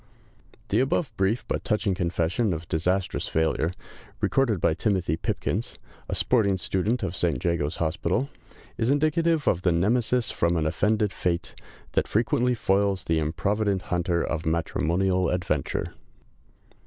The above brief but touching confession of disastrous failure, recorded by Timothy Pipkins, a sporting student of St. Jago's Hospital, is indicative of the Nemesis from an offended fate, that frequently foils the improvident hunter of matrimonial adventure.